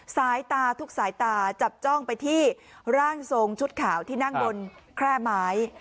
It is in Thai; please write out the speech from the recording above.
สายตาทุกสายตาจับจ้องไปที่ร่างทรงชุดขาวที่นั่งบนแคร่ไม้